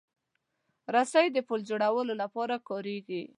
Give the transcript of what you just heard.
رسۍ د پُل جوړولو لپاره کارېږي.